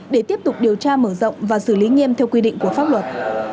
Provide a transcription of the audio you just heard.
để tiếp tục điều tra mở rộng và xử lý nghiêm theo quy định của pháp luật